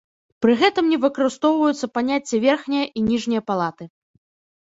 Пры гэтым не выкарыстоўваюцца паняцці верхняя і ніжняя палаты.